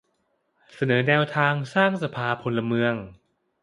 เสนอแนวทางสร้างสภาพลเมือง